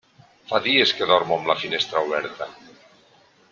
Fa dies que dormo amb la finestra oberta.